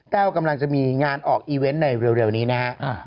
กำลังจะมีงานออกอีเวนต์ในเร็วนี้นะฮะ